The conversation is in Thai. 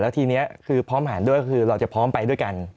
ทีนี้คือพร้อมแผนด้วยคือเราจะพร้อมไปด้วยกัน